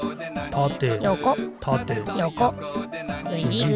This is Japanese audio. たて。